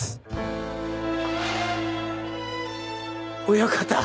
親方